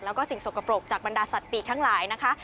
แล้วก็สิ่งสกปรกจากบรรดาสัตว์ปีกทั้งหลายนะคะ